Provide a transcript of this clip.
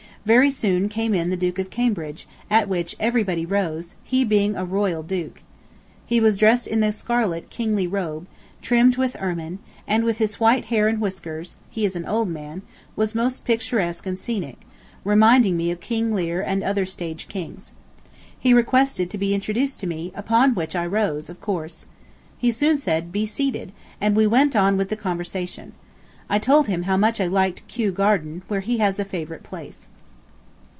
Very soon came in the Duke of Cambridge, at which everybody rose, he being a royal duke. He was dressed in the scarlet kingly robe, trimmed with ermine, and with his white hair and whiskers (he is an old man) was most picturesque and scenic, reminding me of King Lear and other stage kings. He requested to be introduced to me, upon which I rose, of course. He soon said, "Be seated," and we went on with the conversation. I told him how much I liked Kew Garden, where he has a favorite place.